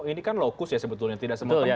ini kan lokus ya sebetulnya tidak semua tempat ya